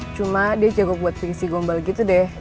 cuma dia jago buat fiksi gombal gitu deh